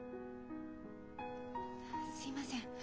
すいません。